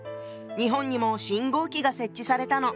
日本にも信号機が設置されたの。